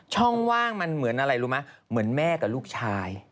ช่องว่างมันเหมือนอะไรรู้ไหมเหมือนแม่กับลูกชาย